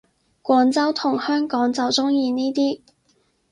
廣州同香港就鍾意呢啲